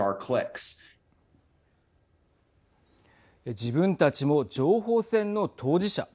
自分たちも情報戦の当事者。